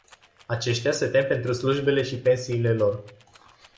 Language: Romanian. Aceștia se tem pentru slujbele și pensiile lor.